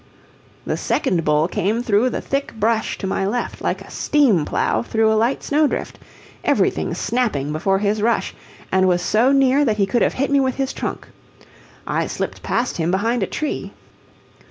The second bull came through the thick brush to my left like a steam plow through a light snowdrift, everything snapping before his rush, and was so near that he could have hit me with his trunk. I slipped past him behind a tree.